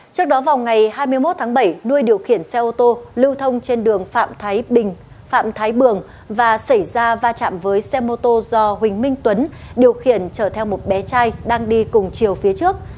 trước đó vào ngày hai mươi một tháng bảy nuôi điều khiển xe ô tô lưu thông trên đường phạm thái bường và xảy ra va chạm với xe mô tô do huỳnh minh tuấn điều khiển chở theo một bé trai đang đi cùng chiều phía trước